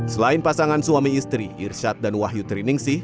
selain pasangan suami istri irsyad dan wahyu triningsih